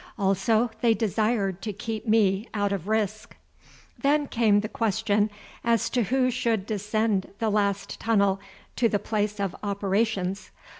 Also they desired to keep me out of risk. Then came the question as to who should descend the last tunnel to the place of operations.